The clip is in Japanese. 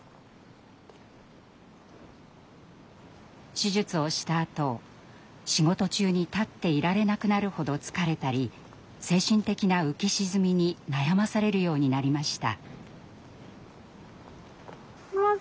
手術をしたあと仕事中に立っていられなくなるほど疲れたり精神的な浮き沈みに悩まされるようになりました。